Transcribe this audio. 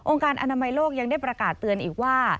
การอนามัยโลกยังได้ประกาศเตือนอีกว่า